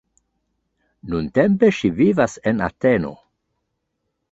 Nuntempe ŝi vivas en Ateno.